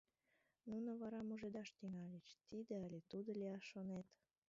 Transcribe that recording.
Нуно вара мужедаш тӱҥальыч: тиде але тудо лияш шонет?